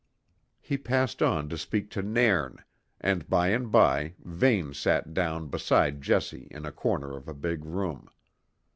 He passed on to speak to Nairn, and by and by Vane sat down beside Jessie in a corner of a big room.